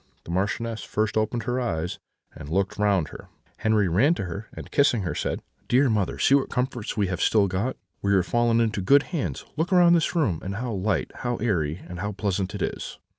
The Marchioness first opened her eyes, and looked round her. Henri ran to her, and kissing her, said: "'Dear mother, see what comforts we have still got! We are fallen into good hands; look around on this room, how light, how airy, and how pleasant it is!'